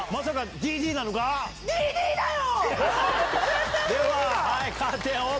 ＤＤだよ！